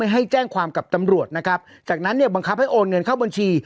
ให้แจ้งความกับตำรวจนะครับจากนั้นเนี่ยบังคับให้โอนเงินเข้าบัญชี